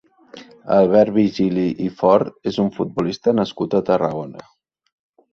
Albert Virgili i Fort és un futbolista nascut a Tarragona.